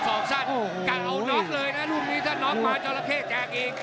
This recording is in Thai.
กังเอาน็อคเลยนะลูกนี้ถ้าน็อคมาจอหลักเข้แจกอีก